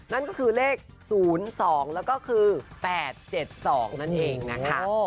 นั่นก็คือเลข๐๒แล้วก็คือ๘๗๒นั่นเองนะคะ